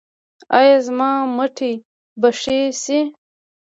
ایا زما مټې به ښې شي؟